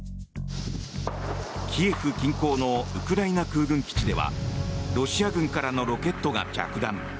キエフ近郊のウクライナ空軍基地ではロシア軍からのロケットが着弾。